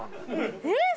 えっ？